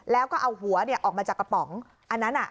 แล้วก็เอาหัวออกมาจากกระป๋องอันนั้น